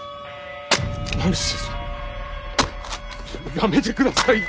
やめてくださいよ。